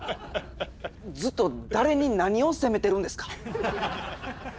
ずっと誰に何を責めてるんですか？